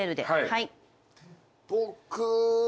はい。